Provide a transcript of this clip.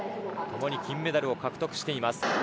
ともに金メダルを獲得しています。